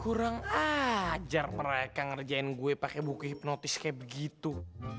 kurang ajar mereka ngerjain gue pakai buku hipnotis kayak begitu